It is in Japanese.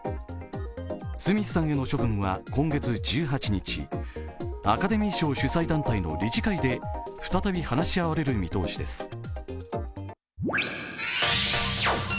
スミスさんへの処分は今月１８日、アカデミー賞主催団体の理事会で再び話し合われる見通しです。